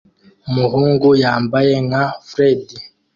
Umuhungu yambaye nka Freddy